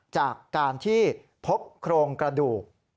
จากการที่พบโครงกระดูก